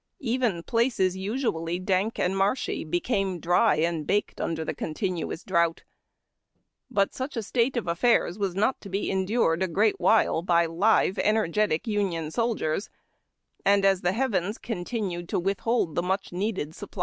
Even places usually dank and marshy became dry and baked under the continuous drought. But such a state of affairs was not to be endured a great while by live, energetic Union soldiers ; and as the heavens continued to withhold the much needed supr.